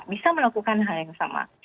bisa melakukan hal yang sama